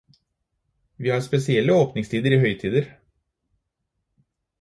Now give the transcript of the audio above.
Vi har spesielle åpningstider i høytider.